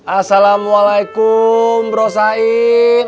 assalamualaikum bro saing